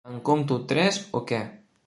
En compto tres o què?